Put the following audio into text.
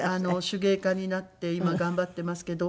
手芸家になって今頑張っていますけど。